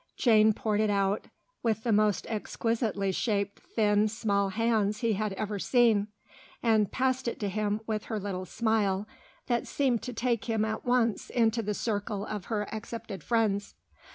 Jane poured it out, with the most exquisitely shaped thin small hands he had ever seen, and passed it to him with her little smile, that seemed to take him at once into the circle of her accepted friends.